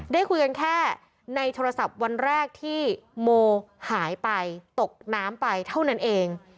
ได้คุยกันแค่ในโทรศัพท์วันแรกที่โมหายไปตกน้ำไปเท่านั้นเอง